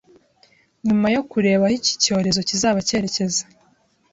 nyuma yo kureba aho iki cyorezo kizaba cyerekeza.